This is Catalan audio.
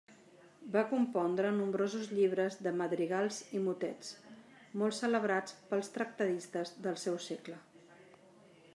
Va compondre nombrosos llibres de madrigals i motets, molt celebrats pels tractadistes del seu segle.